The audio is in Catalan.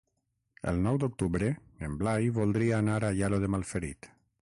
El nou d'octubre en Blai voldria anar a Aielo de Malferit.